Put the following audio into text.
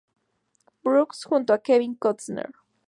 Brooks" junto a Kevin Costner.